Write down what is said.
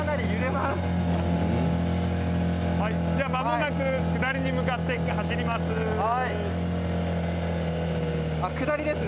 まもなく下りに向かって走ります。